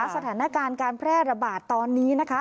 สถานการณ์การแพร่ระบาดตอนนี้นะคะ